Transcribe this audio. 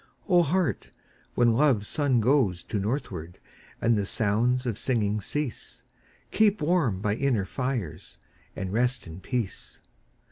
O Heart, when Love's sun goes To northward, and the sounds of singing cease, Keep warm by inner fires, and rest in peace.